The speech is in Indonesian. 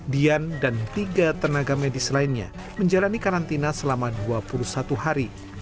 dian dan tiga tenaga medis lainnya menjalani karantina selama dua puluh satu hari